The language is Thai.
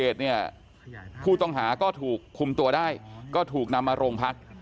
ถูกคุมตัวได้ก็ถูกนำมาโรงพักษณ์